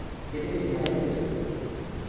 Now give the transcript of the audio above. এটাকে ডানে রেখে চলবে।